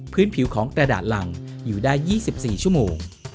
ผิวของกระดาษรังอยู่ได้๒๔ชั่วโมง